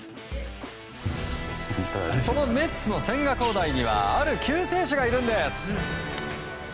そのメッツの千賀滉大にはある救世主がいるんです。